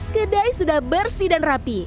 kedai sudah bersih dan rapi